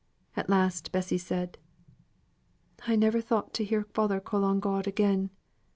At last Bessy said, "I never thought to hear father call on God again.